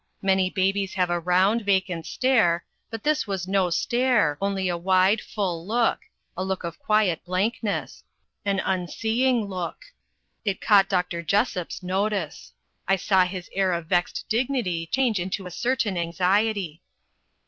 Many babies have a round, vacant stare but this was no stare, only a wide, full look a look of quiet blankness an UNSEEING look. It caught Dr. Jessop's notice. I saw his air of vexed dignity change into a certain anxiety.